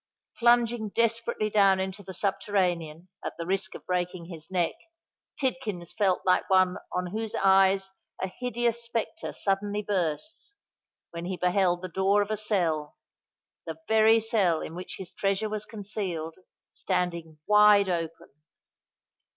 Plunging desperately down into the subterranean, at the risk of breaking his neck, Tidkins felt like one on whose eyes a hideous spectre suddenly bursts, when he beheld the door of a cell—the very cell in which his treasure was concealed—standing wide open!